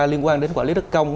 liên quan đến quản lý đất công